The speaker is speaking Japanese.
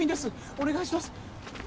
お願いします。